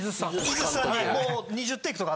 井筒さんにもう。